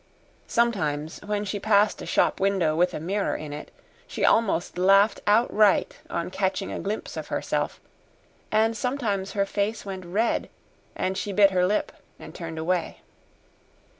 Sometimes, when she passed a shop window with a mirror in it, she almost laughed outright on catching a glimpse of herself, and sometimes her face went red and she bit her lip and turned away.